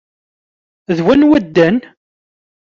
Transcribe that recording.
D wanwa ddan?